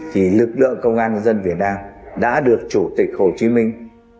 thì lực lượng công an nhân dân việt nam đã được chủ tịch hồ chí minh